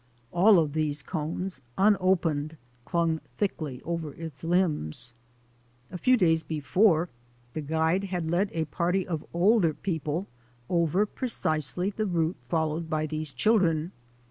All of these cones, unopened, clung thickly over its limbs. A few days before the guide had led a party of older people over precisely the route followed by these children.